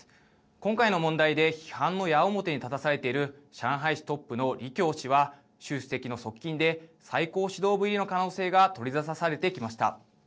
今回の問題で批判の矢面に立たされている上海市トップの李強氏は習主席の側近で最高指導部入りの可能性が取り沙汰されてきました。